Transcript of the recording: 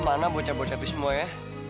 mana bocah bocah itu semua ya